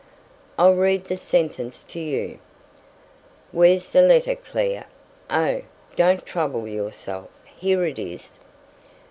I'll read the sentence to you. Where's the letter, Clare? Oh! don't trouble yourself, here it is.